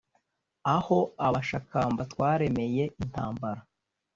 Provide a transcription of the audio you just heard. aho abashakamba twaremeye intambara.